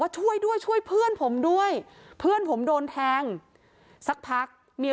ช่วยด้วยช่วยเพื่อนผมด้วยเพื่อนผมโดนแทงสักพักเมีย